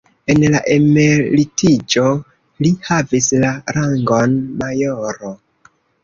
En la emeritiĝo li havis la rangon majoro.